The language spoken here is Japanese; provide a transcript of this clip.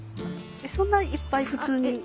そんないっぱい普通に？